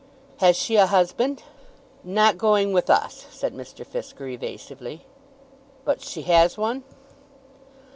"Has she a husband?" "Not going with us," said Mr. Fisker evasively. "But she has one?"